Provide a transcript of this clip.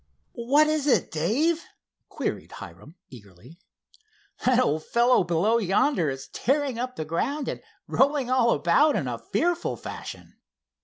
"What is it, Dave?" queried Hiram eagerly. "That old fellow below yonder is tearing up the ground and rolling all about in a fearful fashion."